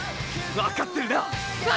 分かってる！